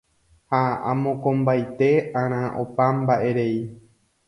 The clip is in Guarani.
ha amokõmbaite'arã opa mba'erei.